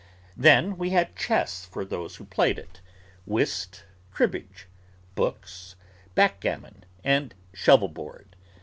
Then, we had chess for those who played it, whist, cribbage, books, backgammon, and shovelboard.